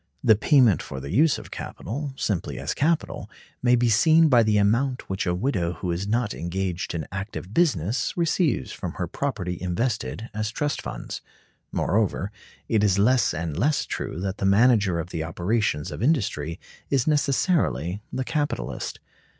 The payment for the use of capital, simply as capital, may be seen by the amount which a widow who is not engaged in active business receives from her property invested as trust funds. Moreover, it is less and less true that the manager of the operations of industry is necessarily the capitalist.